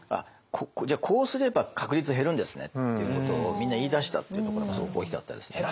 じゃあこうすれば確率減るんですねっていうことをみんな言いだしたっていうところがすごく大きかったですね。